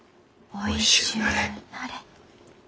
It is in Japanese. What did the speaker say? おいしゅうなれ。